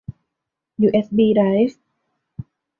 ยูเอสบีไดรฟ์